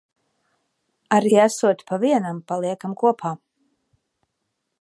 Arī esot pa vienam, paliekam kopā.